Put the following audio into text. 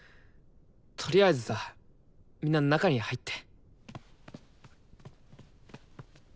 とりあえずさみんな中に入って。